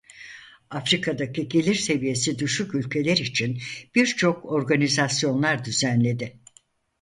Afrika'daki gelir seviyesi düşük ülkeler için birçok organizasyonlar düzenledi.